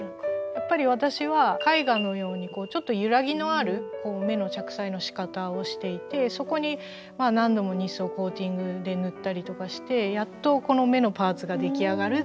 やっぱり私は絵画のようにちょっと揺らぎのある目の着彩のしかたをしていてそこに何度もニスをコーティングで塗ったりとかしてやっとこの目のパーツが出来上がるっていう。